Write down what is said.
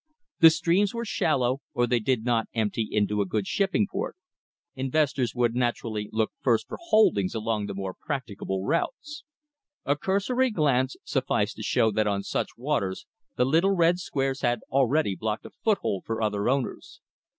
The streams were shallow, or they did not empty into a good shipping port. Investors would naturally look first for holdings along the more practicable routes. A cursory glance sufficed to show that on such waters the little red squares had already blocked a foothold for other owners.